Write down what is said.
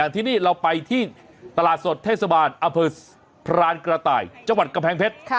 ที่นี่เราไปที่ตลาดสดเทศบาลอเภอพรานกระต่ายจังหวัดกำแพงเพชร